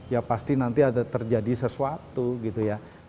ya pasti nanti ada terjadi sesuatu gitu ya